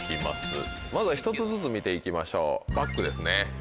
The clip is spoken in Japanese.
まずは１つずつ見て行きましょうバッグですね。